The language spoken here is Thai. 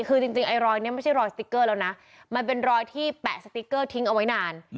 คือจริงไอ้รอยนี้ไม่ใช่รอยสติ๊กเกอร์แล้วนะมันเป็นรอยที่แปะสติ๊กเกอร์ทิ้งเอาไว้นาน